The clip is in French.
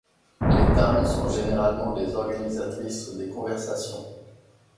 Les Dames sont généralement les organisatrices des conversations.